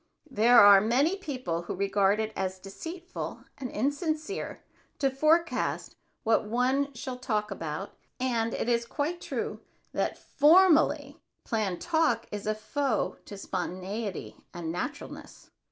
There are many people who regard it as deceitful and insincere to forecast what one shall talk about and it is quite true that formally planned talk is a foe to spontaneity and naturalness.